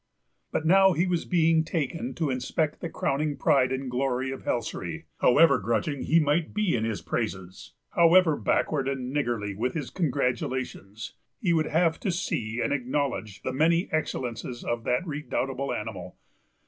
But now he was being taken to inspect the crowning pride and glory of Helsery; however grudging he might be in his praises, however backward and niggardly with his congratulations, he would have to see and acknowledge the many excellences of that redoubtable animal.